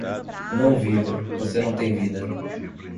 Não viva, você não tem vida